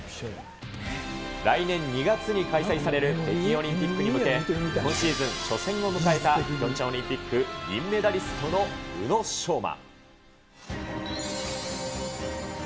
来年２月に開催される北京オリンピックに向け、今シーズン初戦を迎えた、ピョンチャンオリンピック銀メダリストの宇野昌磨。